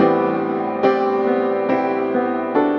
aku gak dengerin kata kata kamu mas